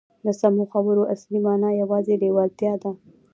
د سمو خبرو اصلي مانا یوازې لېوالتیا ده